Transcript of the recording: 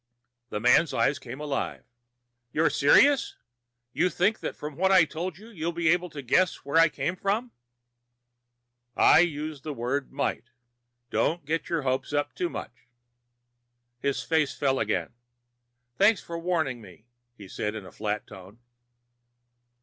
The man's eyes came alive. "You're serious? You think that from what I told you, you'll be able to guess where I came from?" "I used the word 'might.' Don't get your hopes up too much." His face fell again. "Thanks for warning me," he said in a flat tone.